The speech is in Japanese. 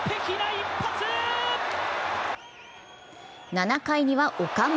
７回には岡本。